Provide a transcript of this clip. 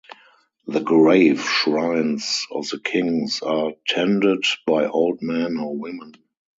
The grave-shrines of the kings are tended by old men or women.